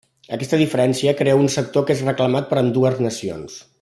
Aquesta diferència crea un sector que és reclamat per ambdues nacions.